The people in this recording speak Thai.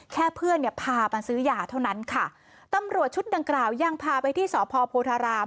แค่เพื่อนเนี่ยพามาซื้อยาเท่านั้นค่ะตำรวจชุดดังกล่าวยังพาไปที่สพโพธาราม